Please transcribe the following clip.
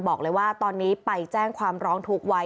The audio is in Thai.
บอกเลยว่าตอนนี้ไปแจ้งความร้องทุกข์ไว้